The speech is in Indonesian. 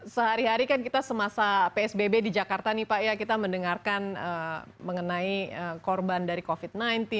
sehari hari kan kita semasa psbb di jakarta nih pak ya kita mendengarkan mengenai korban dari covid sembilan belas